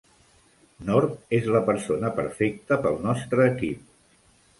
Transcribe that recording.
Norv és la persona perfecte pel nostre equip.